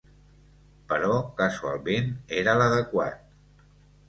Però casualment era l'adequat.